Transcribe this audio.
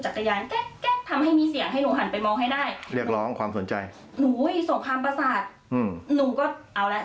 เซฟตัวเองเต็มที่เราไม่รู้หรอกว่าเหตุการณ์ในอนาคต